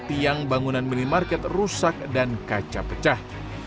tiang bangunan minimarket rusak dan kaca pecah